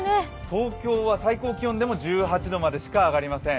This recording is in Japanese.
東京は最高気温でも１８度までしか上がりません。